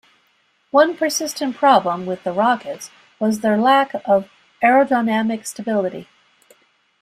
One persistent problem with the rockets was their lack of aerodynamic stability.